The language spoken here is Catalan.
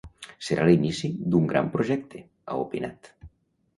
“Serà l’inici d’un gran projecte”, ha opinat.